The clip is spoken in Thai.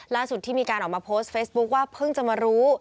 ที่มีการออกมาโพสต์เฟซบุ๊คว่าเพิ่งจะมารู้